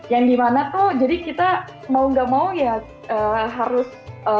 yang dimana tuh jadi kita mau gak mau ya harus